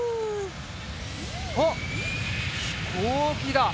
あっひこうきだ！